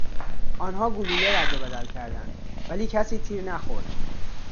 آنها گلوله رد و بدل کردند ولی کسی تیر نخورد.